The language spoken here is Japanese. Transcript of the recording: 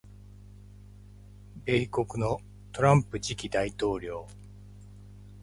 米国のトランプ次期大統領